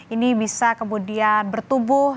ini bisa kemudian bertubuh